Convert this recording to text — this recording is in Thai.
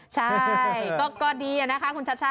ใช่ก็ดีนะคะคุณชัชชา